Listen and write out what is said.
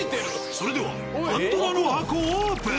それではパンドラの箱オープン。